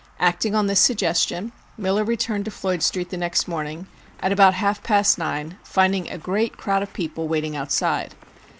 Acting on this suggestion, Miller returned to Floyd Street the next morning at about half past nine, finding a great crowd of people waiting outside.